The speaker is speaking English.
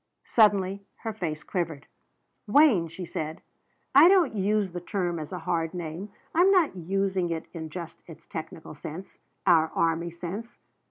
Suddenly her face quivered. "Wayne," she said, "I don't use the term as a hard name. I'm not using it in just its technical sense, our army sense.